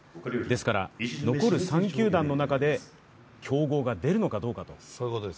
ですから、残る３球団の中で競合が出るのかどうかと。